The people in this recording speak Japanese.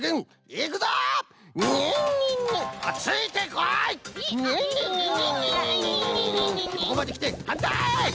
ここまできてはんたい！